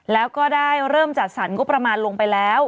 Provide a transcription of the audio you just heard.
แล้วก็ได้เริ่มจัดสรรงบประมาณลงไปแล้ว